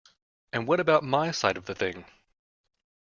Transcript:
And what about my side of the thing?